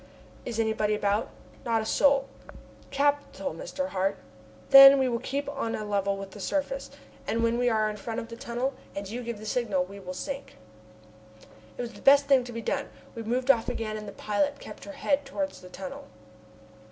"Is anybody about?" "Not a soul." "Capital, Mr. Hart. Then we will keep on a level with the surface, and when we are in front of the tunnel, and you give the signal, we will sink." It was the best thing to be done. We moved off again and the pilot kept her head towards the tunnel.